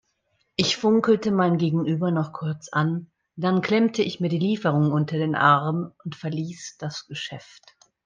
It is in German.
Ich funkelte mein Gegenüber noch kurz an, dann klemmte ich mir die Lieferung unter den Arm und verließ das Geschäft.